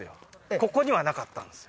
ここにはなかったんですよ